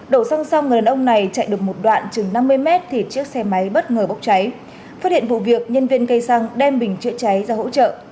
đổ xăng xong người đàn ông này chạy được một đoạn chừng năm mươi mét thì chiếc xe máy bất ngờ bốc cháy phát hiện vụ việc nhân viên cây xăng đem bình chữa cháy ra hỗ trợ